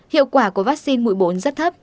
hiệu quả của vaccine mũi bốn rất thấp